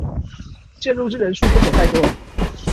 介入之人數不可太多